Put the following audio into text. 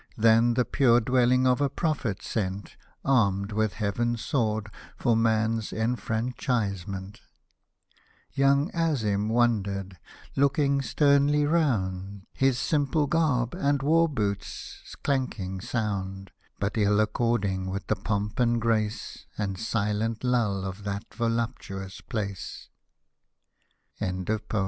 Than the pure dwelling of a Prophet sent, Armed with Heaven's sword, for man's enfranchise ment — Young AziM wandered, looking sternly round. His simple garb and war boots' clanking sound But ill according with the pomp and grace And silent lull of that voluptuous place.